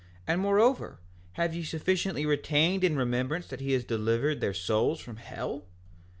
And moreover, have ye sufficiently retained in remembrance that he has delivered their souls from hell?